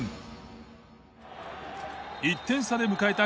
１点差で迎えた